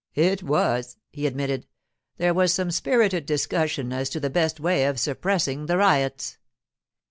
'It was,' he admitted. 'There was some spirited discussion as to the best way of suppressing the riots.